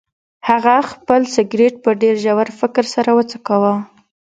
هغه خپل سګرټ په ډیر ژور فکر سره وڅکاوه.